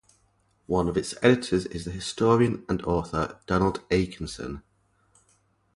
One of its editors is the historian and author Donald Akenson.